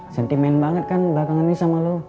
sentimen banget kan belakangan ini sama lo